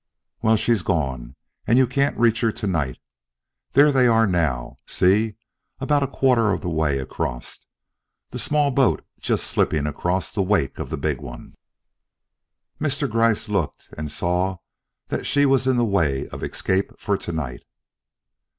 "Well, she's gone and you can't reach her to night. There they are now, see! about a quarter of the way across. That small boat just slipping across the wake of the big one." Mr. Gryce looked and saw that she was in the way of escape for to night.